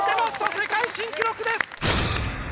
世界新記録です！